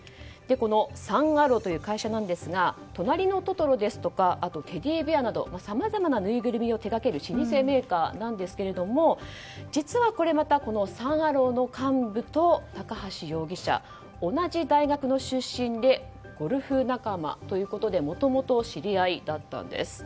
このサン・アローという会社ですが「となりのトトロ」やテディベアなどさまざまなぬいぐるみを手掛ける老舗メーカーですが実はこれまたサン・アローの幹部と高橋容疑者が同じ大学の出身でゴルフ仲間ということでもともと知り合いだったんです。